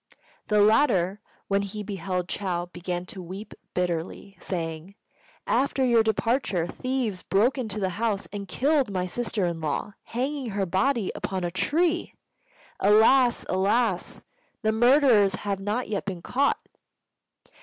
The latter, when he beheld Chou, began to weep bitterly, saying, "After your departure, thieves broke into the house and killed my sister in law, hanging her body upon a tree. Alas! alas! The murderers have not yet been caught."